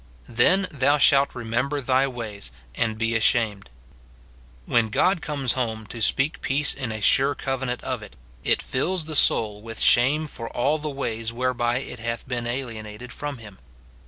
"Then thou shalt remember thy ways, and be ashamed." When God comes home to speak peace in a sure covenant of it, it fills the soul Avith shame for all the ways whereby it hath been alienated from him.